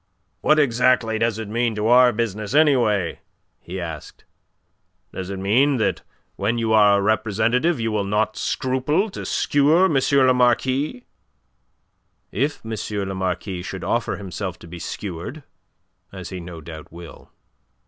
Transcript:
"What exactly does it mean to our business, anyway?" he asked. "Does it mean that when you are a representative you will not scruple to skewer M. le Marquis?" "If M. le Marquis should offer himself to be skewered, as he no doubt will."